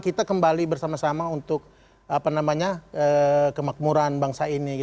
kita kembali bersama sama untuk kemakmuran bangsa ini